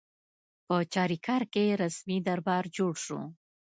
په چاریکار کې رسمي دربار جوړ شو.